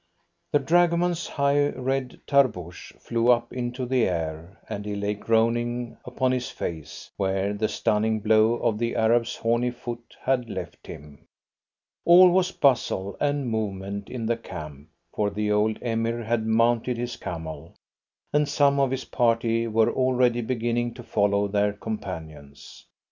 The dragoman's high red tarboosh flew up into the air, and he lay groaning upon his face where the stunning blow of the Arab's horny foot had left him. All was bustle and movement in the camp, for the old Emir had mounted his camel, and some of his party were already beginning to follow their companions.